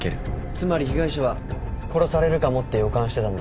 つまり被害者は殺されるかもって予感してたんだ。